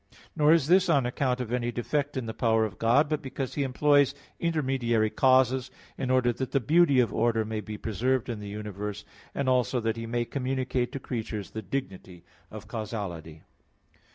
Nor is this on account of any defect in the power of God, but because He employs intermediary causes, in order that the beauty of order may be preserved in the universe; and also that He may communicate to creatures the dignity of causality.